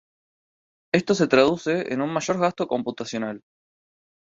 Esto se traduce en un mayor gasto computacional.